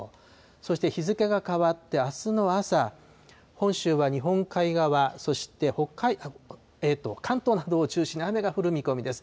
そして日付が変わってあすの朝、本州は日本海側、そして関東などを中心に雨が降る見込みです。